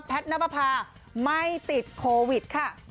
แพทย์น้ำปลาไม่ติดโควิด